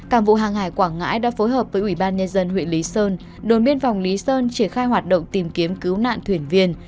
cảng vụ hàng hải quảng ngãi đã phối hợp với ủy ban nhân dân huyện lý sơn đồn biên phòng lý sơn triển khai hoạt động tìm kiếm cứu nạn thuyền viên